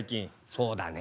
そうだね。